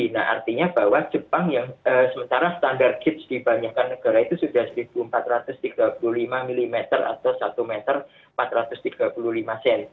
nah artinya bahwa jepang yang sementara standar kits di banyak negara itu sudah seribu empat ratus tiga puluh lima mm atau satu meter empat ratus tiga puluh lima cm